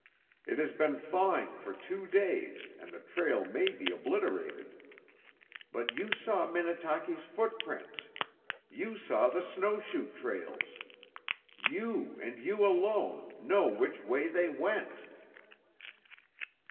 It has been thawing for two days and the trail may be obliterated. But you saw Minnetaki's footprints. You saw the snow shoe trails. You and you alone know which way they went!"